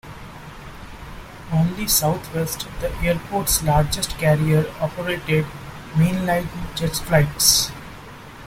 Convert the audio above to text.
Only Southwest, the airport's largest carrier, operated mainline jet flights.